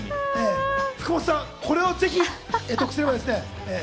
福本さん、これをぜひ会得すれば。